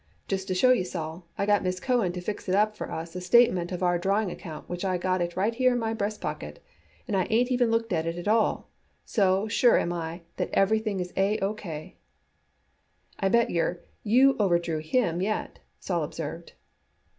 Just to show you, Sol, I got Miss Cohen to fix it up for us a statement of our drawing account which I got it right here in my breast pocket, and I ain't even looked at it at all, so sure I am that everything is all O. K." "I bet yer you overdrew him yet," Sol observed.